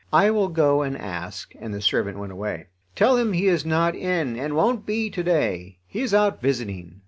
"I will go and ask," and the servant went away. "Tell him he is not in and won't be to day; he is out visiting.